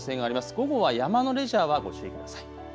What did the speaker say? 午後は山のレジャーはご注意ください。